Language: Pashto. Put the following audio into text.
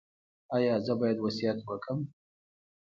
ایا زه باید وصیت وکړم؟